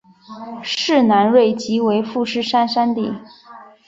市南端即为富士山的山顶。